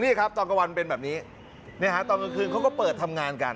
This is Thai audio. นี่ครับตอนกลางวันเป็นแบบนี้ตอนกลางคืนเขาก็เปิดทำงานกัน